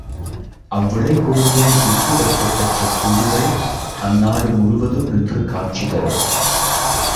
அவ்விளை பொருள்கள் இட்டு வைக்கப் பெற்ற கூடுகள், அந்நாடு முழுவதும் நின்று காட்சி தரும்.